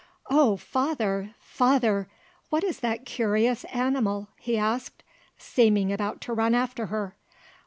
"`Oh, father, father, what is that curious animal?' he asked, seeming about to run after her.